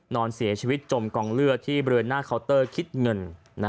นอนเสียชีวิตจมกองเลือดที่บริเวณหน้าเคาน์เตอร์คิดเงิน